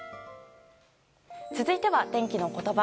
続いては天気のことば。